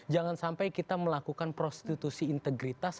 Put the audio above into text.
jangan sampai kita melakukan prostitusi integritas